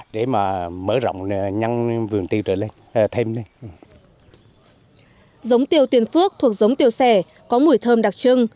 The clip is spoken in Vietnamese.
giống tiêu tiên phước thuộc giống tiêu sẻ có mùi thơm đặc trưng